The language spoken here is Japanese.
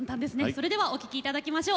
それではお聴きいただきましょう。